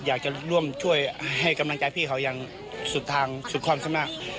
อยากจะร่วมช่วยให้กำลังใจพี่เขาอย่างสุดทางสุดคลอดข้างมาก